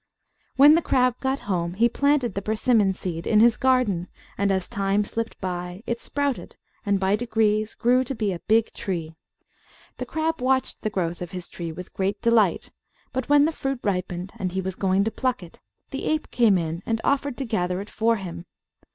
When the crab got home, he planted the persimmon seed in his garden, and, as time slipped by, it sprouted, and by degrees grew to be a big tree. The crab watched the growth of his tree with great delight; but when the fruit ripened, and he was going to pluck it, the ape came in, and offered to gather it for him.